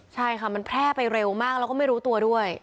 ใช่ค่ะมันแพร่ไปเร็วมากแล้วก็ไม่รู้ตัวด้วย